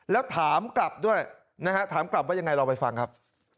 แล้วถามกลับด้วยนะฮะถามกลับว่ายังไงลองไปฟังครับ